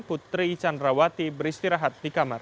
putri candrawati beristirahat